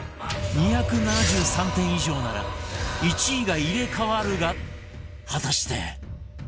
２７３点以上なら１位が入れ替わるが果たして